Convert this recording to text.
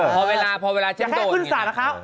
พอเวลาเพราะเวลาอย่าแค่ขึ้นศาลนะคะ